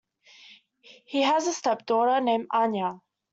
He has a stepdaughter named Anaya.